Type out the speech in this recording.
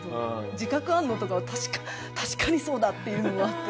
自覚あるの？とかは確かにそうだっていうのはあって。